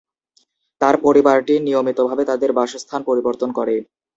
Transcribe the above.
তার পরিবারটি নিয়মিতভাবে তাদের বাসস্থান পরিবর্তন করে।